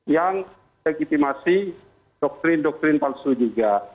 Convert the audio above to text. yang legitimasi doktrin doktrin palsu juga